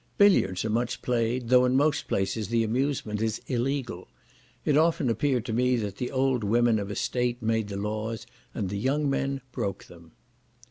Billiards are much played, though in most places the amusement is illegal. It often appeared to me that the old women of a state made the laws, and the young men broke them.